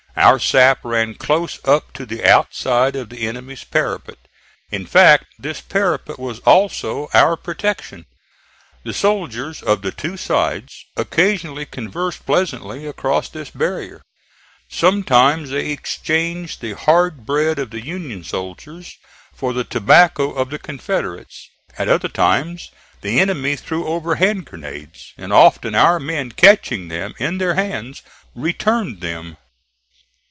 Our sap ran close up to the outside of the enemy's parapet. In fact this parapet was also our protection. The soldiers of the two sides occasionally conversed pleasantly across this barrier; sometimes they exchanged the hard bread of the Union soldiers for the tobacco of the Confederates; at other times the enemy threw over hand grenades, and often our men, catching them in their hands, returned them.